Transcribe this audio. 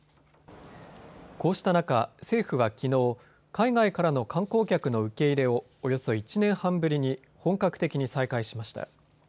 こうした中、政府はきのう海外からの観光客の受け入れをおよそ１年半ぶりに本格的に再開しました。